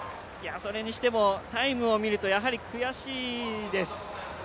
それにしても、タイムを見るとやはり悔しいです。